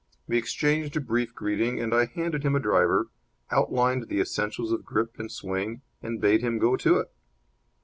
We exchanged a brief greeting and I handed him a driver, outlined the essentials of grip and swing, and bade him go to it.